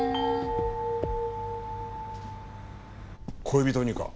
恋人にか？